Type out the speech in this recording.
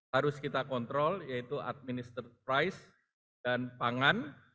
harus kita kontrol yaitu administrad price dan pangan